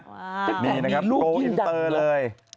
มีลูกยิ่งดันเลยนะครับโก้อินเตอร์เลย